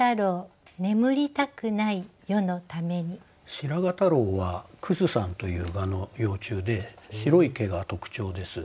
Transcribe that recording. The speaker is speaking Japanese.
「白髪太郎」はクスサンという蛾の幼虫で白い毛が特徴です。